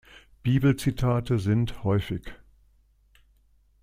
Bibelzitate sind häufig.